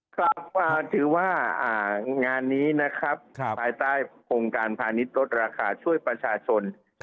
กลับมาถือว่างานนี้นะครับภายใต้โครงการพาณิชย์ลดราคาช่วยประชาชน